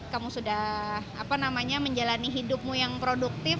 kamu sudah menjalani hidupmu yang produktif